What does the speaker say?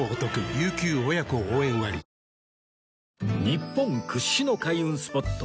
日本屈指の開運スポット